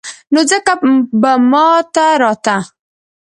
نو ځکه به ما ته راته.